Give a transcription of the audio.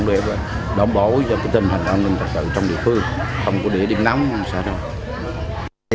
để đảm bảo cho tình hành an ninh tật tự trong địa phương không có địa điểm nắm xã đâu